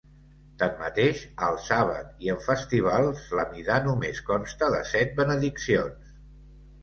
Tanmateix, al sàbat i en festivals l'amidah només consta de set benediccions.